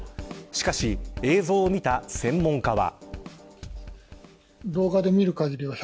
しかし、映像を見た専門家は。